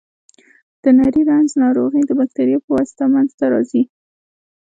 د نري رنځ ناروغي د بکتریا په واسطه منځ ته راځي.